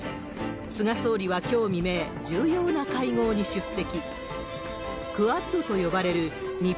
菅総理はきょう未明、重要な会合に出席。